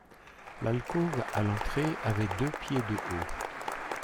L’alcôve, à l’entrée, avait deux pieds de haut.